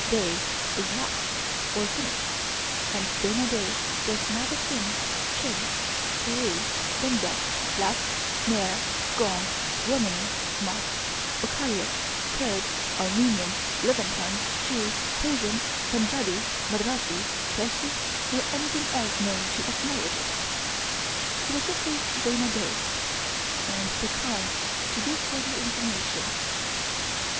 Da is Lap or Finnish; and Dana Da was neither Finn, Chin, Bhil, Bengali, Lap, Nair, Gond, Romaney, Magh, Bokhariot, Kurd, Armenian, Levantine, Jew, Persian, Pun jabi, Madrasi, Parsee, nor anything else known to eth nologists. He was simply Dana Da, and declined to give further information.